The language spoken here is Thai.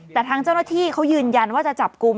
แต่ทางเจ้าหน้าที่เขายืนยันว่าจะจับกลุ่ม